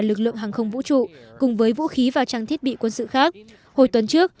lực lượng hàng không vũ trụ cùng với vũ khí và trang thiết bị quân sự khác hồi tuần trước